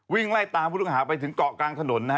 วิ่งไล่ตามผู้ต้องหาไปถึงเกาะกลางถนนนะฮะ